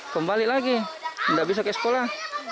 kembali lagi nggak bisa ke sekolah